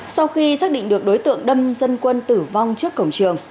sau khi xác định được đối tượng đâm dân quân tử vong trước cổng trường